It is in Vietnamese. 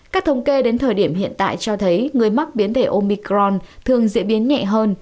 các thống kê đến thời điểm hiện tại cho thấy người mắc biến đề omicron thường diễn biến nhẹ hơn